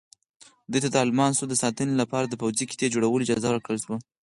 دوی ته د الماسو د ساتنې لپاره د پوځي قطعې جوړولو اجازه ورکړل شوه.